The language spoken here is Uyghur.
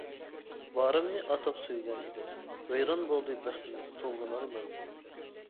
بارىمنى ئاتاپ سۆيگەن ئىدىم، ۋەيران بولدى بەختىمىز تولغىنارمەن.